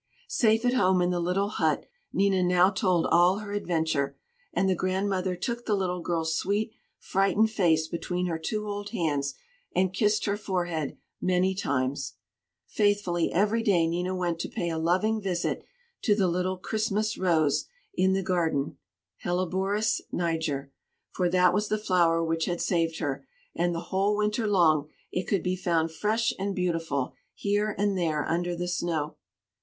Safe at home in the little hut, Nina now told all her adventure; and the grandmother took the little girl's sweet, frightened face between her two old hands, and kissed her forehead many times. Faithfully every day Nina went to pay a loving visit to the little "Christmas Rose" in the garden (helleborus niger); for that was the flower which had saved her; and the whole winter long, it could be found fresh and beautiful, here and there under the snow.